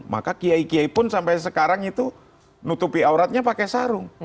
maka kiai kiai pun sampai sekarang itu nutupi auratnya pakai sarung